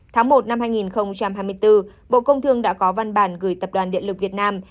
tháng một năm hai nghìn hai mươi bốn bộ công thương đã có văn bản gửi tập đoàn điện lực việt nam